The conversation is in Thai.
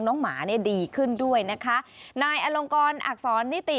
น้องหมาดีขึ้นด้วยนะคะนายอลงกรอักษรนิติ